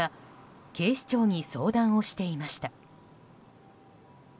警視庁に相談していました。